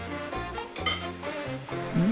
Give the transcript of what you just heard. うん？